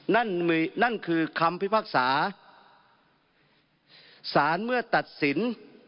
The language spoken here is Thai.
นั่นนั่นคือคำพิพากษาสารเมื่อตัดสิน